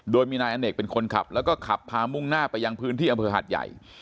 โดยมีนายอเนกเป็นคนขับแล้วก็ขับพามุ่งหน้าไปยังพื้นที่อำเภอหาดใหญ่